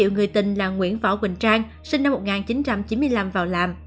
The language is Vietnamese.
người tình là nguyễn võ quỳnh trang sinh năm một nghìn chín trăm chín mươi năm vào làm